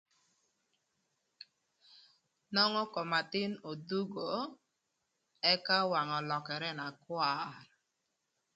Nongo kom athïn odhungo, ëka wangë ölökërë na kwar.